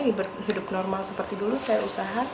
hidup normal seperti dulu saya usaha